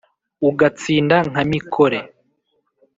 Ugatsinda nka Mikore